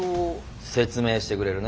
説明してくれるね？